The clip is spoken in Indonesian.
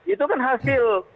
itu kan hasil